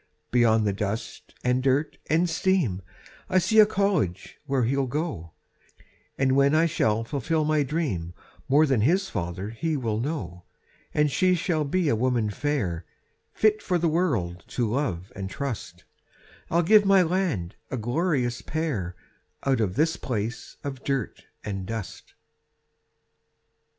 Beyond the dust and dirt and steam I see a college where he'll go; And when I shall fulfill my dream, More than his father he will know; And she shall be a woman fair, Fit for the world to love and trust I'll give my land a glorious pair Out of this place of dirt and dust.